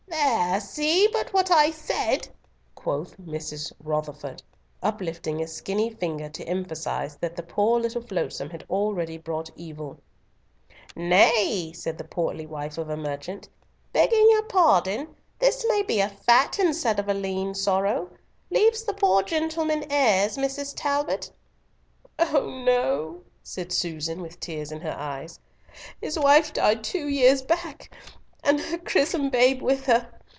"There! See but what I said!" quoth Mrs. Rotherford, uplifting a skinny finger to emphasise that the poor little flotsome had already brought evil. "Nay," said the portly wife of a merchant, "begging your pardon, this may be a fat instead of a lean sorrow. Leaves the poor gentleman heirs, Mrs. Talbot?" "Oh no!" said Susan, with tears in her eyes. "His wife died two years back, and her chrisom babe with her.